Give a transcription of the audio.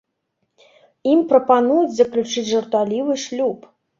Ім прапануюць заключыць жартаўлівы шлюб.